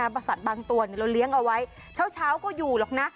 บริษัทบางตัวเราเลี้ยงเอาไว้เช้าก็อยู่หรอกนะ